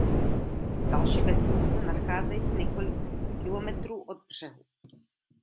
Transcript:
Další vesnice se nacházejí několik kilometrů od břehu.